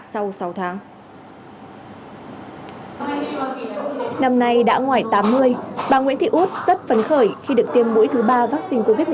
năm nay đã ngoài tám mươi bà nguyễn thị út rất phấn khởi khi được tiêm mũi thứ ba vaccine covid một mươi chín